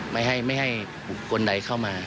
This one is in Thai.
ไม่ให้โอนไดเข้ามา